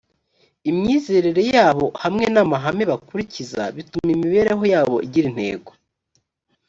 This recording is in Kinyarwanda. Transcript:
imyizerere yabo hamwe n amahame bakurikiza bituma imibereho yabo igira intego